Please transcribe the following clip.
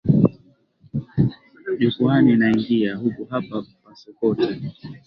Jukwani naingia, huku hapa pasokota,